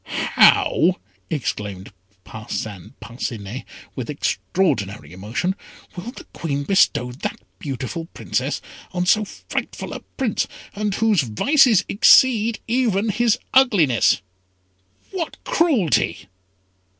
"How!" exclaimed Parcin Parcinet, with extraordinary emotion; "will the Queen bestow that beautiful Princess on so frightful a Prince, and whose vices exceed even his ugliness? What cruelty!"